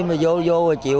vừa ra vô vô ba lần rồi